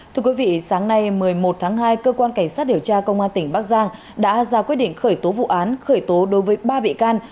thưa quý vị sáng nay một mươi một tháng hai cơ quan cảnh sát điều tra công an tỉnh bắc giang đã ra quyết định khởi tố vụ án khởi tố đối với ba bị can